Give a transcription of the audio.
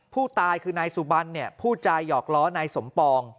ผู้ตายคือนายสุบันเนี่ยพูดจาหยอกล้อนายสมปอง